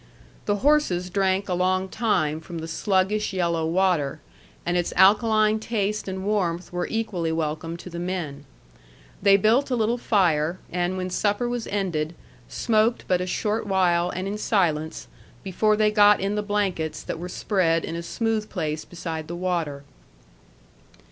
The horses drank a long time from the sluggish yellow water, and its alkaline taste and warmth were equally welcome to the men. They built a little fire, and when supper was ended, smoked but a short while and in silence, before they got in the blankets that were spread in a smooth place beside the water.